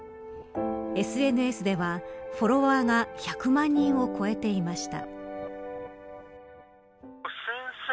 ＳＮＳではフォロワーが１００万人を超えていました。